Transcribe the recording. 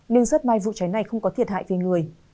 nên rất may vụ cháy này không có thiệt hại về người